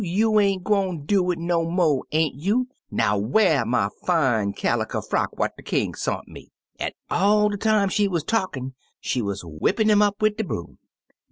You ain't gwine do it no mo', ain't you ? Now, whar my fine caliker frock what de King sont me?' An' all de time she wuz talkin' she wuz wipin' 'im up wid de broom.